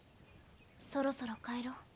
そろそろ帰ろう。